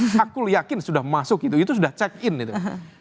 hakul yakin sudah masuk itu sudah check in itu